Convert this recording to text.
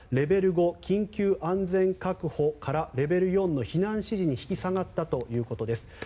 ５緊急安全確保からレベル４の避難指示に引き下がったということです。